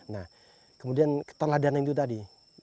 nah kemudian keteladanan itu tadi